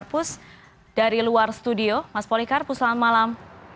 mas polikarpus dari luar studio mas polikarpus selamat malam